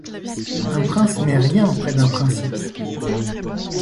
Un prince n’est rien près d’un principe.